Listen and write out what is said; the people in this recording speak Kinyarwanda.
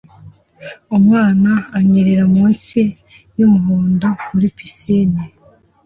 Umwana anyerera munsi yumuhondo muri pisine